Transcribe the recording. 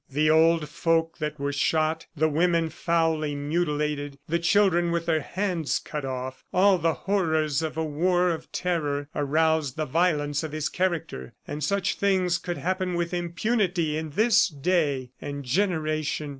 The old folk that were shot, the women foully mutilated, the children with their hands cut off, all the horrors of a war of terror, aroused the violence of his character. And such things could happen with impunity in this day and generation!